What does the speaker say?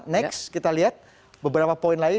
next kita lihat beberapa poin lain